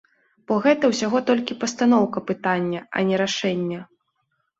Бо гэта ўсяго толькі пастаноўка пытання, а не рашэнне.